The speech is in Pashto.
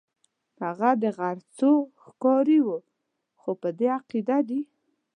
هغه د غرڅو ښکاري وو، هغوی په دې عقیده دي.